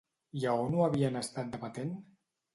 I a on ho havien estat debatent?